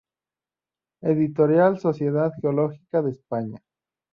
Editorial: Sociedad Geológica de España.